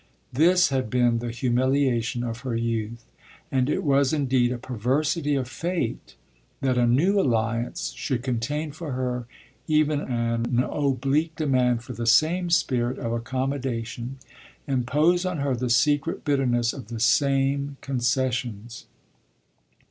This had been the humiliation of her youth, and it was indeed a perversity of fate that a new alliance should contain for her even an oblique demand for the same spirit of accommodation, impose on her the secret bitterness of the same concessions.